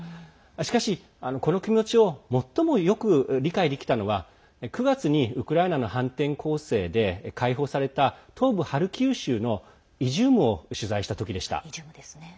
しかし、この気持ちを最もよく理解できたのは９月にウクライナの反転攻勢で解放された、東部ハルキウ州のイジュームを取材した時でした。